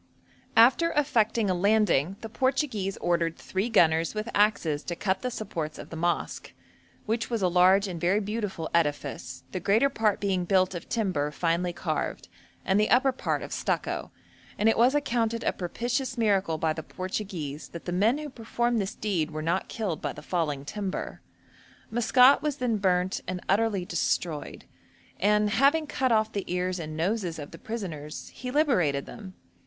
After effecting a landing, the Portuguese ordered 'three gunners with axes to cut the supports of the mosque, which was a large and very beautiful edifice, the greater part being built of timber finely carved, and the upper part of stucco,' and it was accounted a propitious miracle by the Portuguese that the men who performed this deed were not killed by the falling timber. Maskat was then burnt and utterly destroyed; and 'having cut off the ears and noses of the prisoners he liberated them.'